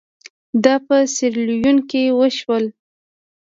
دا په سیریلیون کې وشول.